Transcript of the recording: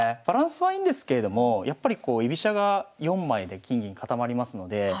バランスはいいんですけれどもやっぱりこう居飛車が４枚で金銀固まりますので。